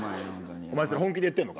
お前、それ本気で言ってるのか？